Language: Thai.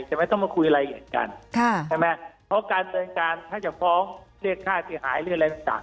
จะไม่ต้องมาคุยอะไรเหมือนกันเพราะการเตือนการถ้าจะฟ้องเรียกค่าเสียหายหรืออะไรต่าง